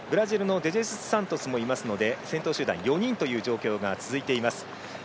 ブラジルのデジェズスサントスもいますので、先頭集団が４人という状況が続いています。